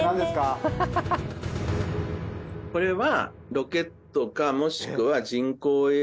これは。